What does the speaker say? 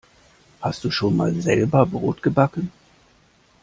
Hast du schon mal selber Brot gebacken?